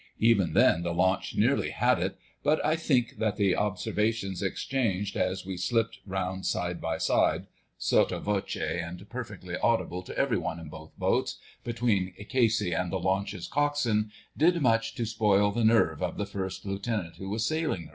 Even then the launch nearly had it; but I think that the observations exchanged, as we slipped round side by side (sotto voce and perfectly audible to every one in both boats), between Casey and the launch's Coxswain, did much to spoil the nerve of the First Lieutenant who was sailing her.